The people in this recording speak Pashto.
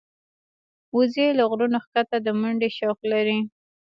وزې له غرونو ښکته د منډې شوق لري